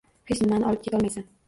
Hech nimani olib ketolmaysan.